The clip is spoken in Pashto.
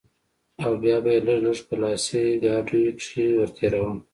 او بيا به يې لږ لږ په لاسي ګاډيو کښې ورتېراوه.